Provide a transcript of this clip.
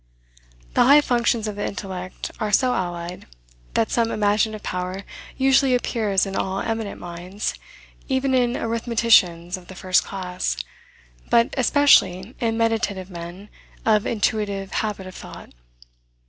The high functions of the intellect are so allied, that some imaginative power usually appears in all eminent minds, even in arithmeticians of the first class, but especially in meditative men of an intuitive habit of thought.